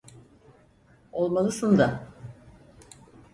Olmalısın da.